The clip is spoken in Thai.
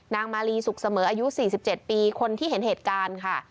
มาลีสุขเสมออายุ๔๗ปีคนที่เห็นเหตุการณ์ค่ะ